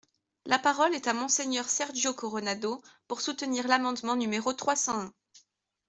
La parole est à Monsieur Sergio Coronado, pour soutenir l’amendement numéro trois cent un.